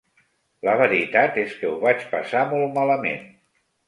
La veritat és que ho vaig passar molt malament.